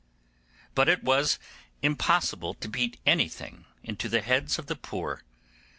But it was impossible to beat anything into the heads of the poor.